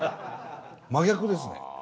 真逆ですね。